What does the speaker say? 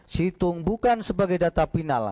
situng bukan sebagai data final